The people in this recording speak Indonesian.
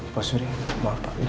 pak suri maaf pak